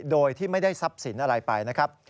โดยที่ไม่ได้ทรัพย์สินอะไรไปนะครับ